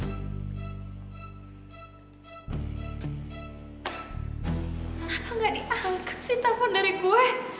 kenapa gak diangkat sih telepon dari gue